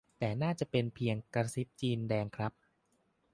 แต่น่าจะเป็นเพียงกระซิบจีนแดงครับ